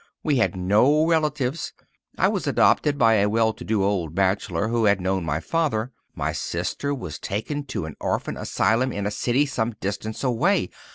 We had no relatives. I was adopted by a well to do old bachelor, who had known my father. My sister was taken to an orphan asylum in a city some distance away.